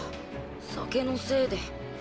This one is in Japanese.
酒のせいで。